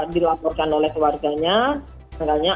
dilaporkan oleh keluarganya